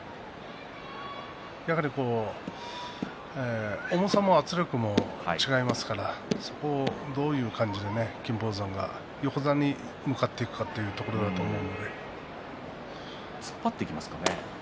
やはり、重さも圧力も違いますからそこをどういう感じで金峰山が横綱に向かっていくかと突っ張っていきますかね。